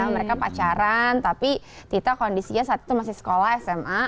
mereka pacaran tapi tita kondisinya saat itu masih sekolah sma